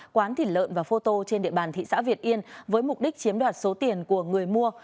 quán thịt lợn và photo trên địa bàn thị xã việt yên với mục đích chiếm đoạt số tiền của người mua